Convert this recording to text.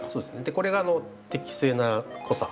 これが適正な濃さ。